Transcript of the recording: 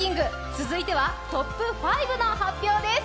続いてはトップ５の発表です。